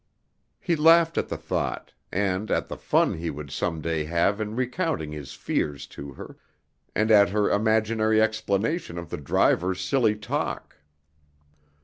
He laughed at the thought, and at the fun he would some day have in recounting his fears to her, and at her imaginary explanation of the driver's silly talk.